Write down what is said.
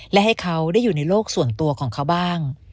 และให้เขาได้อยู่ในโลกส่วนตัวของเขาบ้าง